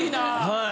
はい。